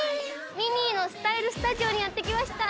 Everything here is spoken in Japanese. ミニーのスタイルスタジオにやって来ました。